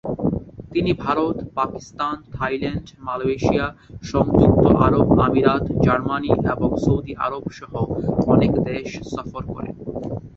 তিনি Bharat, Pakistan, Thailand, Malaysia, সংযুক্ত আরব আমিরাত, জার্মানি এবং সৌদি আরব সহ অনেক দেশ সফর করেন।